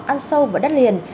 ăn sâu vào đất liền